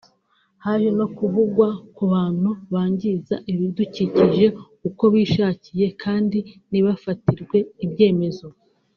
Haje no kuvugwa ku bantu bangiza ibidukikije uko bishakiye kandi nt’ibafatirwe ibyemezo